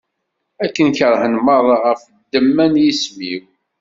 Ad ken-keṛhen meṛṛa ɣef ddemma n yisem-iw.